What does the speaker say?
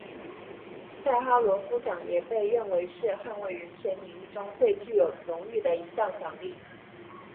萨哈罗夫奖也被认为是捍卫人权领域中最具有荣誉的一项奖励。